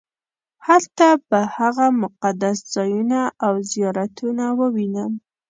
هلته به هغه مقدس ځایونه او زیارتونه ووینم.